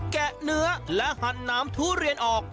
แกะเนื้อและหั่นน้ำทุเรียนออก